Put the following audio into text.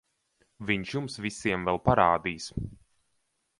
Viņš jums visiem vēl parādīs...